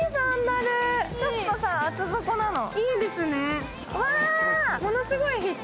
ちょっと厚底なの。